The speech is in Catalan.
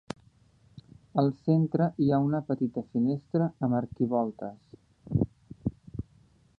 Al centre hi ha una petita finestra amb arquivoltes.